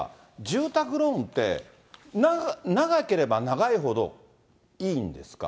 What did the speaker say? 住宅ローンって、長ければ長いほどいいんですか？